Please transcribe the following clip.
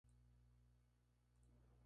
Rusia tiene una embajada en Managua.